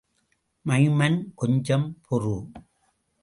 Maiman, கொஞ்சம் பொறு.